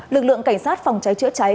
lực lượng cảnh sát phòng cháy chữa cháy